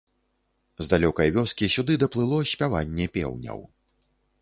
З далёкай вёскі сюды даплыло спяванне пеўняў.